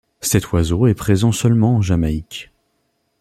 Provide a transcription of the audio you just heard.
Cet oiseau est présent seulement en Jamaïque.